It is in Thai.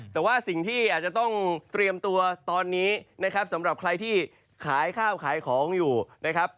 แต่ว่าสิ่งที่อาจจะต้องเตรียมตัวตอนนี้นะครับสำหรับใครที่ขายข้าวขายของอยู่นะครับ